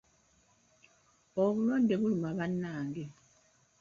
Obulwadde buluma bannange!